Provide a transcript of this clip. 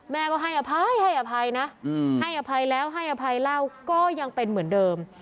แม่ก็ให้อภัยให้อภัยนะให้อภัยแล้วให้อภัยเล่าก็ยังเป็นเหมือนเดิม